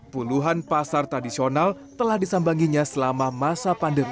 puluhan pasar tradisional telah disambanginya selama masa pandemi